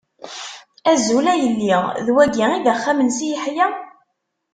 Azul a yelli, d wagi i d axxam n Si Yeḥya?